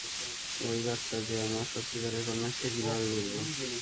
ঐ বাচ্চা যে আমার সত্যিকারের কন্যা সে কীভাবে বুঝব?